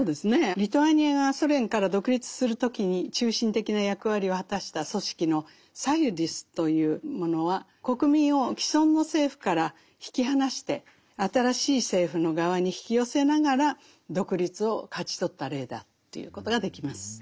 リトアニアがソ連から独立する時に中心的な役割を果たした組織のサユディスというものは国民を既存の政府から引き離して新しい政府の側に引き寄せながら独立を勝ち取った例だと言うことができます。